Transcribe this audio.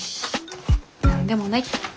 何でもない。